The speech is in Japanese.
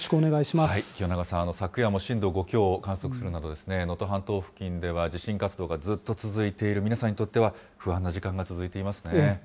清永さん、昨夜も震度５強を観測するなど、能登半島付近では地震活動がずっと続いている皆さんにとっては、不安な時間が続いていますね。